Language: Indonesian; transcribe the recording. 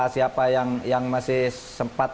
siapa yang masih sempat